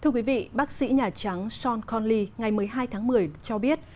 thưa quý vị bác sĩ nhà trắng sean conlly ngày một mươi hai tháng một mươi cho biết